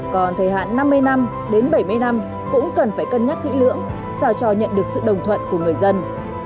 còn thời hạn năm mươi năm đến bảy mươi năm cũng cần phải cân nhắc kỹ lưỡng sao cho nhận được sự đồng thuận của người dân